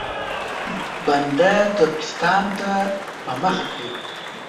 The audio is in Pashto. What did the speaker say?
بنده ترکستان ته په مخه کړي.